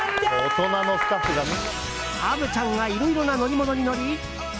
虻ちゃんがいろいろな乗り物に乗り